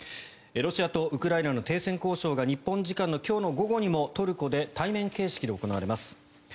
ロシアとウクライナの停戦交渉が日本時間の今日の午後にもトルコで対面形式で行われます。